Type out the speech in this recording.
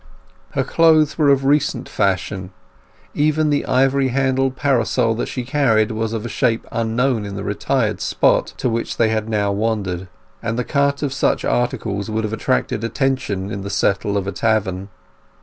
Her clothes were of recent fashion; even the ivory handled parasol that she carried was of a shape unknown in the retired spot to which they had now wandered; and the cut of such articles would have attracted attention in the settle of a tavern.